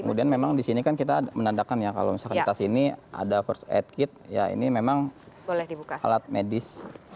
kemudian memang di sini kan kita menandakan ya kalau misalkan di tas ini ada first aid kit ya ini memang alat medis